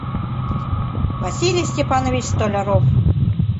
Василий Степанович Столяров